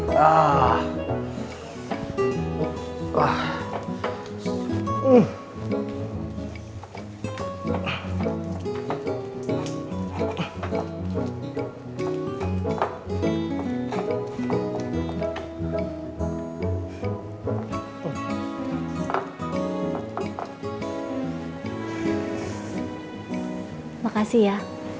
terima kasih ya